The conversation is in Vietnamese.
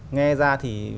nghe ra thì